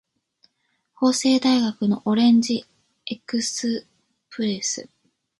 法政大学のオレンジエクスプレス